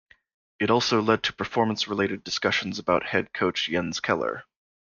It also led to performance related discussions about head coach Jens Keller.